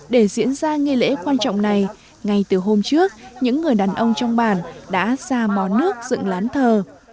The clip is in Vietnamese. để diễn ra nghi lễ quan trọng này ngay từ hôm trước những người đàn ông trong bản đã ra mó nước dựng lán thờ